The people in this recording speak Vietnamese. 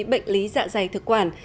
bệnh lý dạ dày thực quản